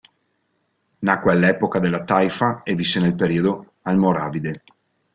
Nacque all'epoca delle Taifa e visse nel periodo almoravide.